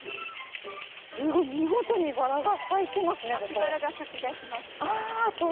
見事にバラが咲いてますね。